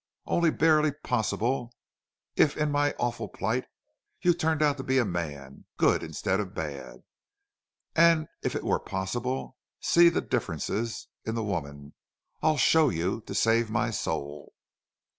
Only barely possible if in my awful plight you turned out to be a man, good instead of bad!... And if it were possible see the differences in the woman.... I show you to save my soul!"